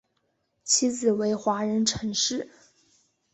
妻子为华人陈氏。